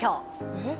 えっ？